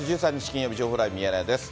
金曜日、情報ライブミヤネ屋です。